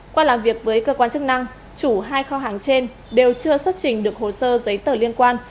qua làm việc với cơ quan chức năng chủ hai kho hàng trên đều chưa xuất trình được hồ sơ giấy tờ liên quan